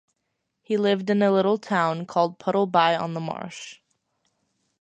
He lived in a little town called, Puddleby-on-the-Marsh.